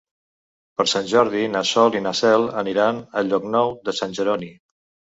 Per Sant Jordi na Sol i na Cel aniran a Llocnou de Sant Jeroni.